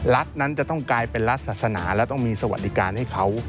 รัฐนั้นจะต้องกลายเป็นรัฐศาสนาและต้องมีสวัสดิการให้เขา